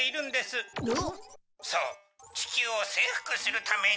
そう地球を征服するために。